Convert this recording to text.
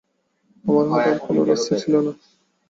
আমার হাতে আর কোনো রাস্তা ছিল না।